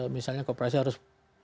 misalnya kooperasi harus